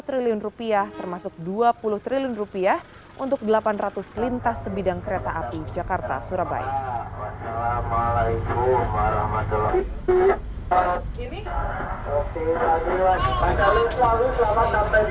rp dua puluh triliun untuk delapan ratus lintas sebidang kereta api jakarta surabaya